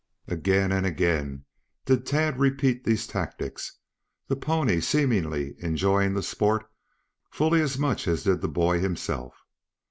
Again and again did Tad repeat these tactics, the pony seemingly enjoying the sport fully as much as did the boy himself.